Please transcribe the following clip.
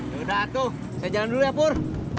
yaudah atuh saya jalan dulu ya burr